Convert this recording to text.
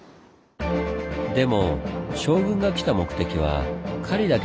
でも将軍が来た目的は狩りだけではないんです！